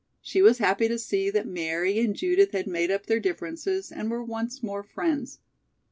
She was happy to see that Mary and Judith had made up their differences, and were once more friends.